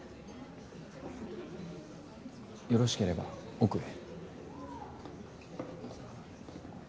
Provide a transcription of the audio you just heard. よろしければ奥へ。